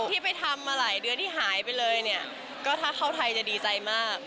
ที่ไปทำมาหลายเดือนที่หายไปเลยเนี่ยก็ถ้าเข้าไทยจะดีใจมาก